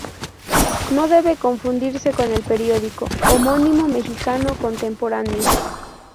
No debe confundirse con el periódico homónimo mexicano contemporáneo.